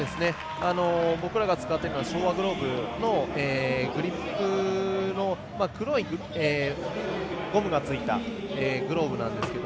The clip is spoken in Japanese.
僕らが使っているのはグリップの黒いゴムがついたグローブなんですけど。